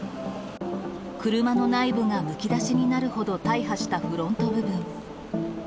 車の内部がむき出しになるほど大破したフロント部分。